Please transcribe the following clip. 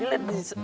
dilihat di situ